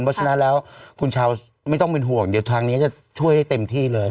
เพราะฉะนั้นแล้วคุณชาวไม่ต้องเป็นห่วงเดี๋ยวทางนี้จะช่วยได้เต็มที่เลย